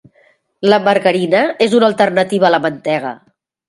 La margarina és una alternativa a la mantega.